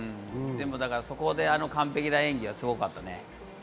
そこで完璧な演技はすごかったね。